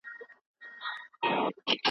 پوهه باید ضایع نه سي.